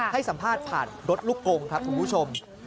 ให้สัมภาษณ์ผ่านรถลูกกงครับคุณผู้ชม